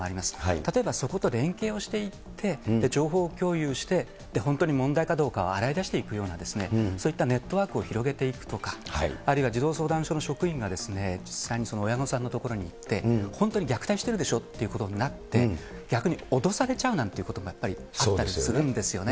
例えばそこと連携をしていって、情報共有して、本当に問題かどうかを洗いだしていくような、そういったネットワークを広げていくとか、あるいは児童相談所の職員が実際にその親御さんの所に行って、本当に虐待してるでしょっていうことになって、逆に脅されちゃうなんていうことがやっぱりあったりするんですよね。